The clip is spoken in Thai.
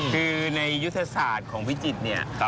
คือในยุทธศาสตร์ของพิจิตรเนี่ย